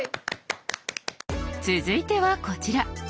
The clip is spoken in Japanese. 続いてはこちら。